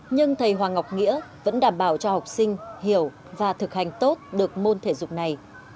nhưng thầy hoàng nghĩa vẫn đảm bảo cho học sinh hiểu và thực hành tốt được môn thể dục này